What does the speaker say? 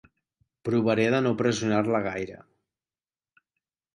Provaré de no pressionar-la gaire.